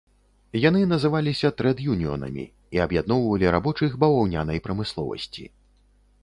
Яны называліся трэд-юніёнамі і аб'ядноўвалі рабочых баваўнянай прамысловасці.